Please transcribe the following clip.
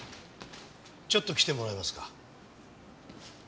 ちょっと来てもらえますか？